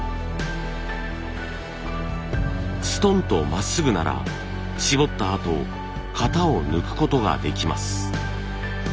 すとんとまっすぐなら絞ったあと型を抜くことができます。